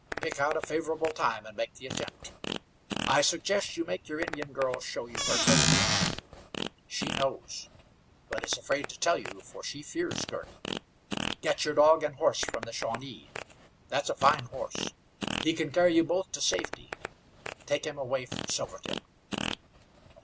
Pick out a favorable time and make the attempt. I suggest you make your Indian girl show you where Girty is. She knows, but is afraid to tell you, for she fears Girty. Get your dog and horse from the Shawnee. That's a fine horse. He can carry you both to safety. Take him away from Silvertip."